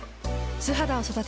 素肌を育てる。